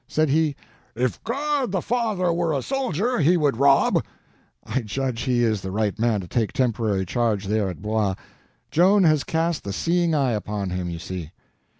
Said he, 'If God the Father were a soldier, He would rob.' I judge he is the right man to take temporary charge there at Blois. Joan has cast the seeing eye upon him, you see."